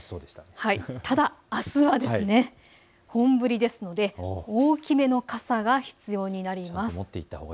ただ、あすは本降りですので大きめの傘が必要になります。